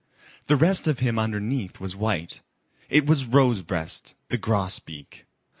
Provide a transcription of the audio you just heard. The rest of him underneath was white. It was Rosebreast the Grosbeak.